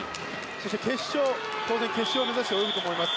そして決勝当然、決勝を目指して泳ぐと思います。